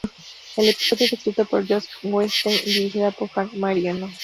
El episodio fue escrito por Josh Weinstein y dirigida por Frank Marino.